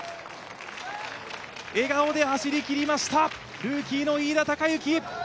笑顔で走りきりました、ルーキーの飯田貴之。